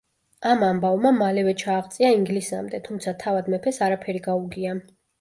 ამ ამბავმა მალევე ჩააღწია ინგლისამდე, თუმცა თავად მეფეს არაფერი გაუგია.